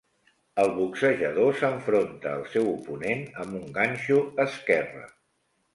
El boxejador s'enfronta al seu oponent amb un ganxo esquerre.